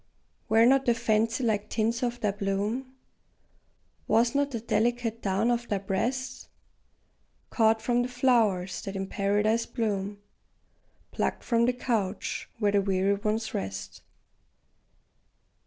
Were not the fancy like tints of thy plume, Was not the delicate down of thy breast, Caught from the flowers that in Paradise bloom, Plucked from the couch where the weary ones rest?